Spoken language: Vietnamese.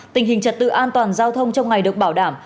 tình hình trật tự an toàn giao thông trong ngày được bảo đảm